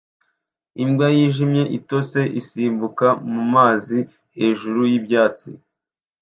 Imbwa yijimye itose isimbuka mu mazi hejuru y'ibyatsi